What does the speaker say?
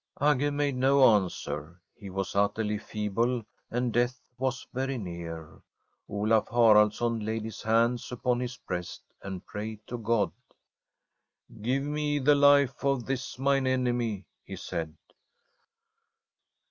* Agge made no answer. He was utterly feeble, and death was very near. Olaf Haraldsson laid his hands upon his breast and prayed to God. ' Give me the life of this mine enemy,' he said.